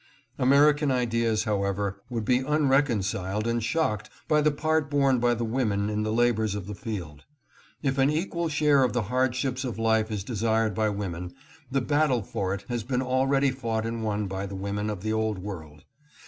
American ideas, however, would be unreconciled and shocked by the part borne by the women in the labors of the field. If an equal share in the hardships of life is desired by women, the battle for it has been already fought and won by the women of the Old World.